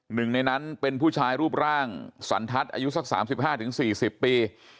หนึ่งในนั้นเป็นผู้ชายรูปร่างสันทัศน์อายุสักสามสิบห้าถึงสี่สิบปี